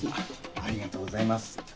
ありがとうございます。